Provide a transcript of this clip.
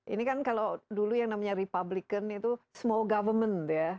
ini kan kalau dulu yang namanya republican itu small government ya